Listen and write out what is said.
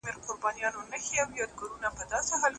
چي پرون به دي ویله هر بنده ته حساب ګوري